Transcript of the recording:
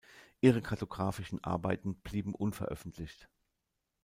Ihre kartographischen Arbeiten blieben unveröffentlicht.